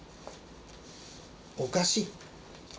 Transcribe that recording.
おかしい。